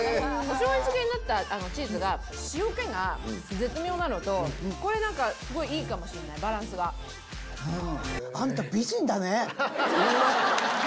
しょうゆ漬けになったチーズが、塩気が絶妙なのと、これなんかすごい、いいかもしれない、バランあんた、美人だね。